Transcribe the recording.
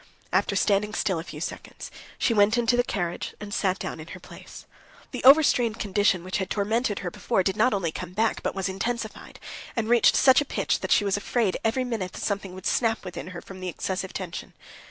After standing still a few seconds, she went into the carriage and sat down in her place. The overstrained condition which had tormented her before did not only come back, but was intensified, and reached such a pitch that she was afraid every minute that something would snap within her from the excessive tension.